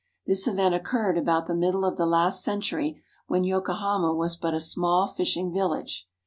This event occurred about the middle of the last century, when Yokohama was but a small fishing village.